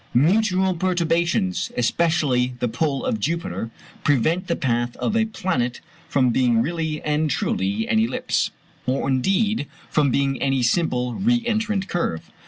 Mutual perturbations, especially the pull of Jupiter, prevent the path of a planet from being really and truly an ellipse, or indeed from being any simple re entrant curve.